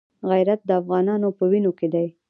غیرت د افغانانو په وینو کې دی.